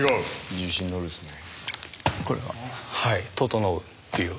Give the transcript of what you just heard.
重心のるんすね。